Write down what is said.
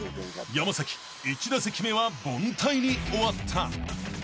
［山１打席目は凡退に終わった］